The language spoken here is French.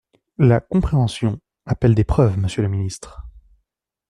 La « compréhension » appelle des preuves, monsieur le ministre.